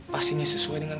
pastinya sesuai dengan